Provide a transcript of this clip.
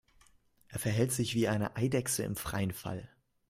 Er verhält sich wie eine Eidechse im freien Fall.